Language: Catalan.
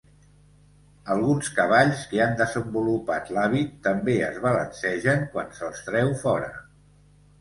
Alguns cavalls que han desenvolupat l'hàbit també es balancegen quan se'ls treu fora.